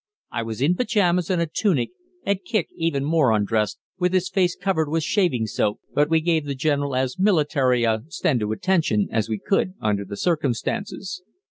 I was in pyjamas and a tunic, and Kicq even more undressed, with his face covered with shaving soap, but we gave the General as military a "stand to attention" as we could under the circumstances.